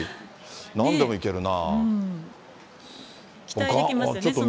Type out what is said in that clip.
なんでもいけるな。